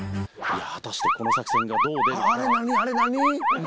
果たしてこの作戦がどう出るか？